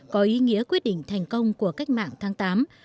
có ý nghĩa quyết định thành công của cách mạng tháng tám